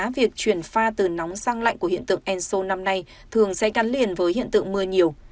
việc chuyển pha từ nóng sang lạnh của hiện tượng enso năm nay thường sẽ gắn liền với hiện tượng mưa nhiều